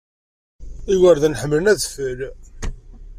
Igerdan ḥemmlen adfel.